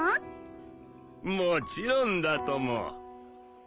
もちろんだとも。